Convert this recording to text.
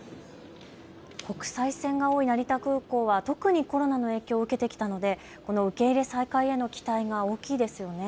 国際線が多い成田空港は特にコロナの影響を受けてきたので、この受け入れ再開への期待が大きいですよね。